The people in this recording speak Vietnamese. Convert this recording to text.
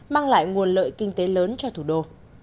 mang lại nguồn lợi kinh tế lớn cho thủ đô